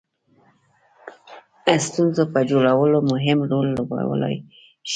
ستونزو په جوړولو کې مهم رول لوبولای شي.